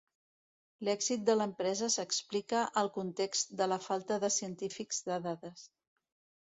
L'èxit de l'empresa s'explica al context de la falta de científics de dades.